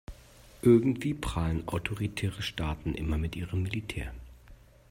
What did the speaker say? Irgendwie prahlen autoritäre Staaten immer mit ihrem Militär.